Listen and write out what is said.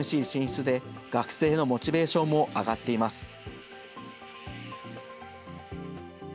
ＴＳＭＣ進出で、学生のモチベーションも上がっています。